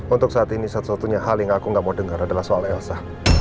untuk saat ini satu satunya hal yang aku nggak mau dengar adalah soal elsa